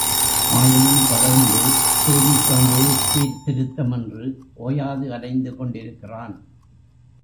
ஆயினும் தொடர்ந்து சேரித் தொண்டு, சீர்திருத்தம் என்று ஓயாது அலைந்துகொண்டிருக்கிறான்.